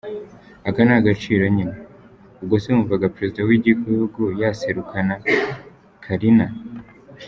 ako n’agaciro nyine… ubwo se wumvaga perezida w’Igihugu yaserukana carina??